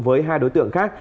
với hai đối tượng khác